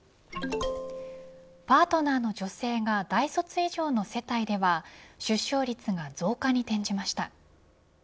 パートナーの女性が大卒以上の世帯では出生率が増加に転じました。